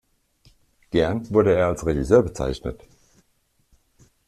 Gern wurde er als „Regisseur“ bezeichnet.